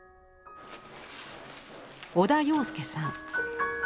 小田洋介さん。